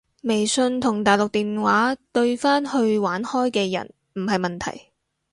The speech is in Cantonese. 微信同大陸電話對返去玩開嘅人唔係問題